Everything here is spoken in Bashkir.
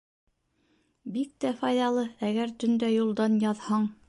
Бик тә файҙалы, әгәр төндә юлдан яҙһаң.